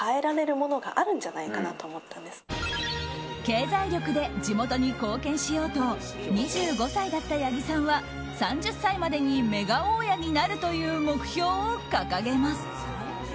経済力で地元に貢献しようと２５歳だった八木さんは３０歳までにメガ大家になるという目標を掲げます。